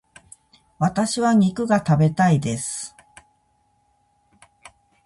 私は肉が食べたいです。